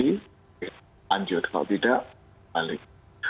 lanjut kalau tidak balik